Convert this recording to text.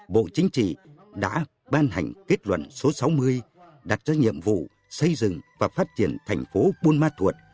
bộ chính trị đã ban hành kết luận số sáu mươi đặt ra nhiệm vụ xây dựng và phát triển thành phố buôn ma thuột